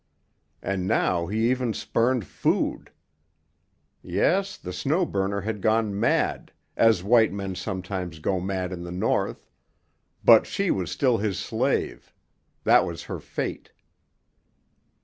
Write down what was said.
And now he even spurned food. Yes, the Snow Burner had gone mad, as white men sometimes go mad in the North; but she was still his slave. That was her fate.